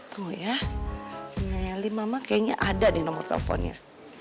tuh ya meli mama kayaknya ada di nomor teleponnya